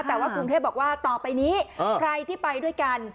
แต่ว่ากรุงเทพบอกว่าต่อไปนี้ใครที่ไปด้วยกัน